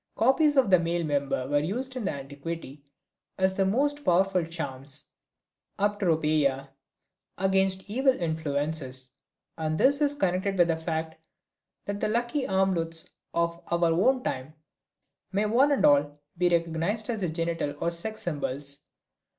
Copies of the male member were used in antiquity as the most powerful charms (Apotropaea) against evil influences, and this is connected with the fact that the lucky amulets of our own time may one and all be recognized as genital or sex symbols.